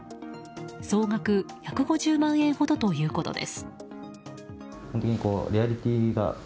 総額１５０万円ほどということです。